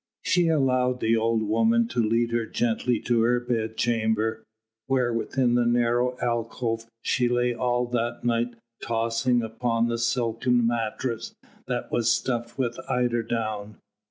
She allowed the old woman to lead her gently to her bedchamber, where within the narrow alcove she lay all that night tossing upon the silken mattress that was stuffed with eiderdown.